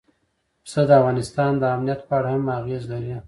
پسه د افغانستان د امنیت په اړه هم اغېز لري.